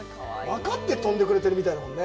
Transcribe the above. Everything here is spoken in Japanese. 分かって飛んでくれてるみたいだもんね。